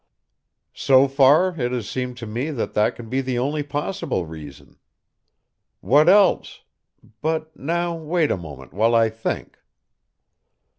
_" "So far it has seemed to me that that can be the only possible reason. What else but now wait a moment while I think."